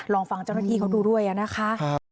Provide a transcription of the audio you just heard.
ลองฟังเจ้าหน้าที่เขาดูด้วยนะคะ